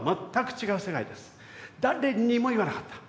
誰にも言わなかった。